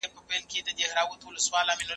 آيا د جزيې په فلسفه پوهيږئ؟